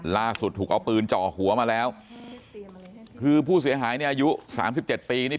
ล่าสุดถูกเอาปืนเจาะหัวมาแล้วคือผู้เสียหายอายุ๓๗ปี